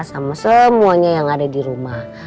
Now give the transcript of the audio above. sama semuanya yang ada di rumah